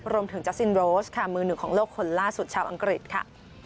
จากซินโรสค่ะมือหนึ่งของโลกคนล่าสุดชาวอังกฤษค่ะ